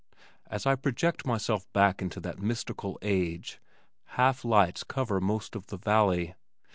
As I project myself back into that mystical age, half lights cover most of the valley.